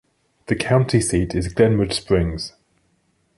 The county seat is Glenwood Springs.